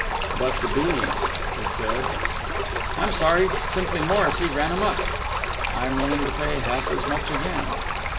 "But the beads!" he said. "I'm sorry. Simply Morrissy ran amuck." "I am willing to pay half as much again."